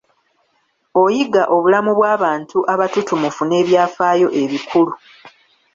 Oyiga obulamu bw'abantu abatutumufu, n'ebyafaayo ebikulu.